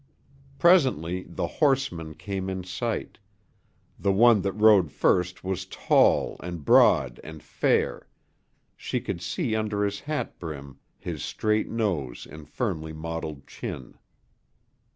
Presently the horsemen came in sight the one that rode first was tall and broad and fair, she could see under his hat brim his straight nose and firmly modeled chin.